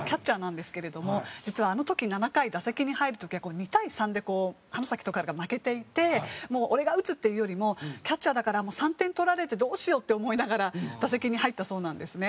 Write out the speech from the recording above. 実はあの時７回打席に入る時は２対３で花咲徳栄が負けていてもう俺が打つっていうよりもキャッチャーだから３点取られてどうしようって思いながら打席に入ったそうなんですね。